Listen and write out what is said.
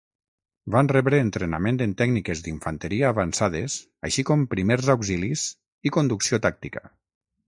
Van rebre entrenament en tècniques d'infanteria avançades així com primers auxilis i conducció tàctica.